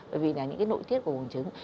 bởi vì là những cái nội tiết của bùng trứng